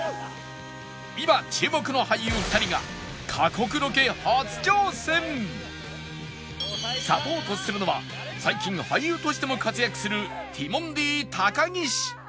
今注目の俳優２人がサポートするのは最近俳優としても活躍するティモンディ高岸